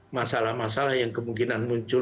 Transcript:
masalah masalah yang kemungkinan muncul